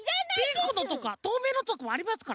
ピンクのとかとうめいのとかもありますから。